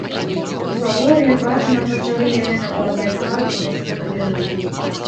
І паволі, важна пачалі яны напаўняць хату густым дымам.